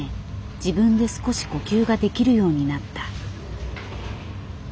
自分で少し呼吸ができるようになった。